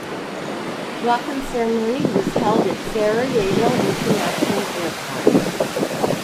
Welcome ceremony was held at Sarajevo International Airport.